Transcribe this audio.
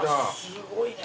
すごいね。